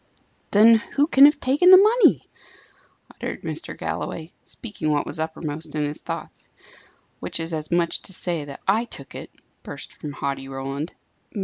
"Then who can have taken the money?" uttered Mr. Galloway, speaking what was uppermost in his thoughts. "Which is as much as to say that I took it," burst from haughty Roland.